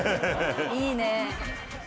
いいね。